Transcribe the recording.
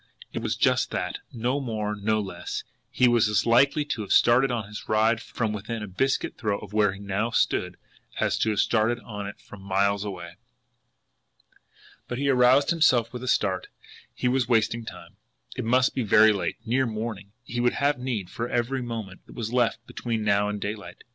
It was just that, no more, no less he was as likely to have started on his ride from within a biscuit throw of where he now stood, as to have started on it from miles away! But he aroused himself with a start he was wasting time! It must be very late, near morning, and he would have need for every moment that was left between now and daylight.